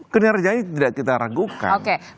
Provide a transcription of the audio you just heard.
kinerja ini tidak kita ragukan